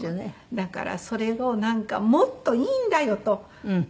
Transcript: だからそれをもっといいんだよと。